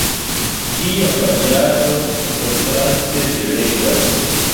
Via paĝaro, kontraste, belegas.